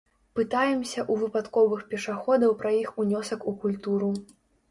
Пытаемся ў выпадковых пешаходаў пра іх унёсак у культуру.